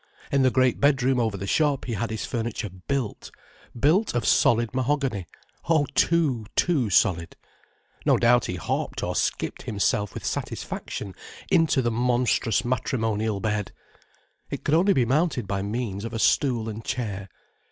In the great bedroom over the shop he had his furniture built: built of solid mahogany: oh too, too solid. No doubt he hopped or skipped himself with satisfaction into the monstrous matrimonial bed: it could only be mounted by means of a stool and chair.